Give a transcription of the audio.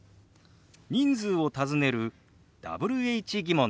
人数を尋ねるＷｈ−疑問です。